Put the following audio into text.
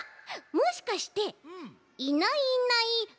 もしかして「いないいないばぁ」